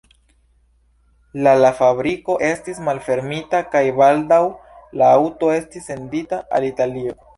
La la fabriko estis malfermita kaj baldaŭ la aŭto estis sendita al Italio.